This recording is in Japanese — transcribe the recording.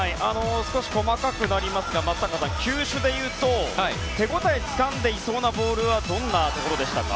少し細かくなりますが松坂さん球種で言うと、手応えをつかんでいそうなボールはどんなところでしたか？